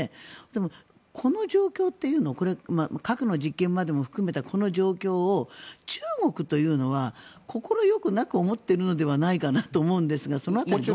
でも、この状況っていうのをこれ、核の実験まで含めたこの状況を中国というのは快くなく思っているのではないかと思うんですがその辺りはどうなんですか。